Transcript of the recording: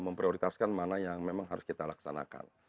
memprioritaskan mana yang memang harus kita laksanakan